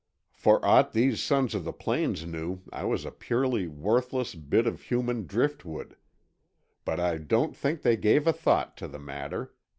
For aught these sons of the plains knew I was a purely worthless bit of human driftwood. But I don't think they gave a thought to the matter.